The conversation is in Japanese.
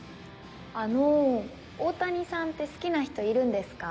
あの大谷さんって好きな人いるんですか？